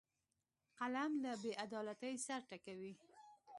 قلم له بیعدالتۍ سر ټکوي